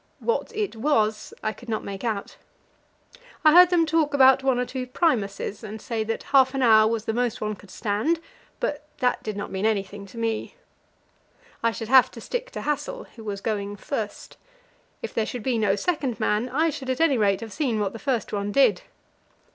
What it was I could not make out. I heard them talk about one or two Primuses, and say that half an hour was the most one could stand, but that did not mean anything to me. I should have to stick to Hassel; he was going first. If there should be no second man, I should, at any rate, have seen what the first one did.